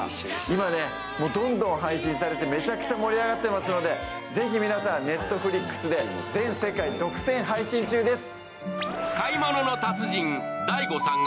今、どんどん配信されてめちゃくちゃ盛り上がってますのでぜひ皆さん、Ｎｅｔｆｌｉｘで全世界独占配信中です。